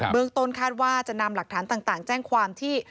เมืองต้นคาดว่าจะนำหลักฐานต่างแจ้งความที่